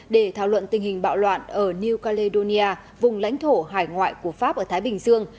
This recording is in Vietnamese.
để thảo luận tình hình bạo loạn ở new caledonia vùng lãnh thổ hải ngoại của pháp ở thái bình dương